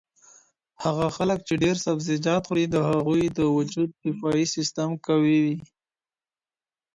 هغه خلک چې ډېر سبزیجات خوري د هغوی د وجود دفاعي سیسټم قوي وي.